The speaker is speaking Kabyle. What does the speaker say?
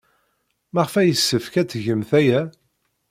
Maɣef ay yessefk ad tgemt aya?